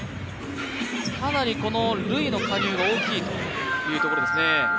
かなり、ルイの加入が大きいというところですね。